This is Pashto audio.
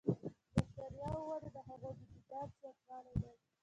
د بکټریاوو وده د هغوی د تعداد زیاتوالی دی.